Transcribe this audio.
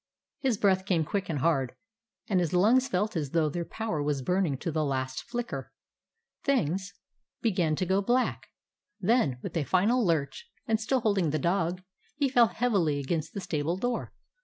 His breath came quick and hard, and his lungs felt as if their power was burning to the last flicker. Things 157 DOG HEROES OF MANY LANDS began to go black. Then, with a final lurch, and still holding the dog, he fell heavily against the stable door.